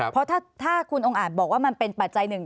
เพราะถ้าคุณองค์อาจบอกว่ามันเป็นปัจจัยหนึ่ง